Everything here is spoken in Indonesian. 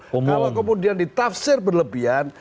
kalau kemudian ditafsir berlebihan